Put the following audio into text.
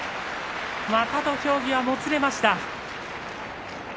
また土俵際、もつれました。